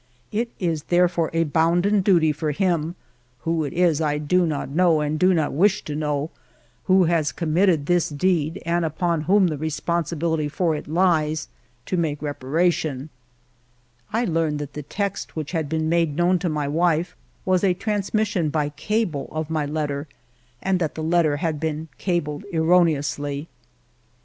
It is there fore a bounden duty for him — who it is I do not know and do not wish to know — who has com mitted this deed and upon whom the responsi bility for it lies, to make reparation," 286 FIVE YEARS OF MY LIFE I learned that the text which had been made known to my wife was a transmission by cable of my letter, and that the letter had been cabled erroneously.